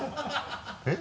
えっ？